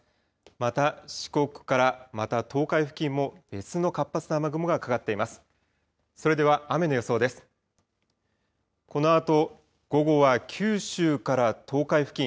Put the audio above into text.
また、四国から、また東海付近も別の活発な雨雲がかかっています。